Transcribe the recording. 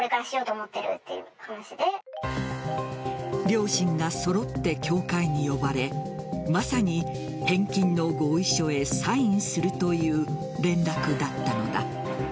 両親が揃って教会に呼ばれまさに返金の合意書へサインするという連絡だったのだ。